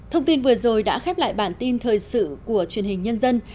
thông tin vừa rồi đã khép lại bản tin thời sự của truyền hình nhân dân